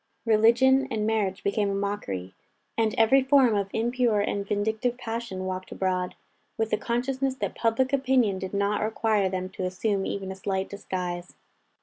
Religion and marriage became a mockery, and every form of impure and vindictive passion walked abroad, with the consciousness that public opinion did not require them to assume even a slight disguise.